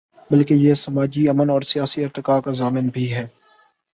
بلکہ یہ سماجی امن اور سیاسی ارتقا کا ضامن بھی ہے۔